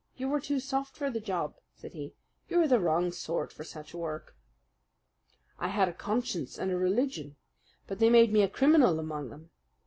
"You were too soft for the job," said he. "You are the wrong sort for such work." "I had a conscience and a religion; but they made me a criminal among them.